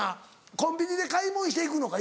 コンビニで買い物して行くのか？